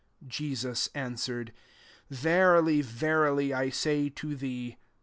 '' 5 Jesus answered, " Verily, verily, I say to thee.